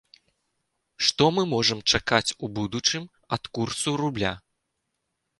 Што мы можам чакаць у будучым ад курсу рубля?